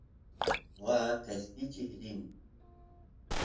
waa qeshpichiy rin